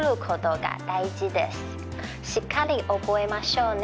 しっかり覚えましょうね。